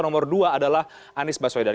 nomor dua adalah anies baswedan